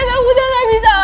aku pengen mati